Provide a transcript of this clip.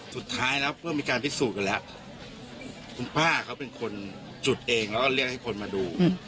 สุดท้ายแล้วเมื่อมีการพิสูจน์กันแล้วคุณป้าเขาเป็นคนจุดเองแล้วก็เรียกให้คนมาดู